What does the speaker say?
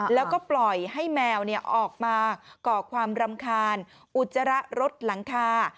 แล้วก็ปล่อยให้แมวออกมาก่อความรำคาญอุจจาระรถหลังคา